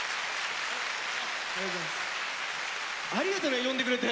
ありがとね呼んでくれて。